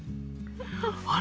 あれ？